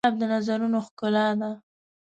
ګلاب د نظرونو ښکلا ده.